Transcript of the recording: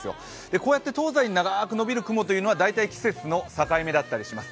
こうやって東西に長く延びる雲というのは大体、季節の境目だったりします。